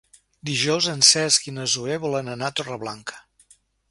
Dijous en Cesc i na Zoè volen anar a Torreblanca.